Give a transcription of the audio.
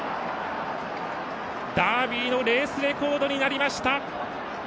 ダービーのレースレコードになりました。